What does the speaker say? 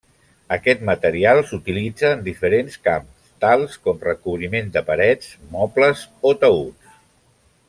Aquest material s'utilitza en diferents camps tals com recobriment de parets, mobles o taüts.